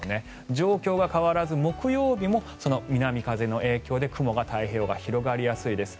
状況は変わらず木曜日も南風の影響で雲が太平洋側、広がりやすいです。